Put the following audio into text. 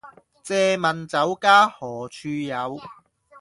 借問酒家何處有